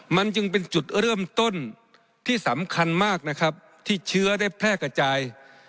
มันจึงเป็นจุดเริ่มต้นที่สำคัญมากนะครับที่เชื้อได้แพร่กระจาย